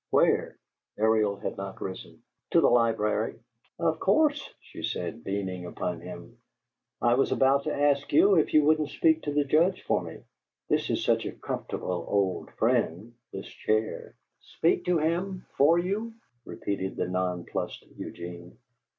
"Where?" Ariel had not risen. "To the library." "Of course," she said, beaming upon him. "I was about to ask you if you wouldn't speak to the Judge for me. This is such a comfortable old friend, this chair." "Speak to him for you?" repeated the non plussed Eugene.